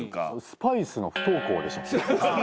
「スパイスの不登校」でしたっけ？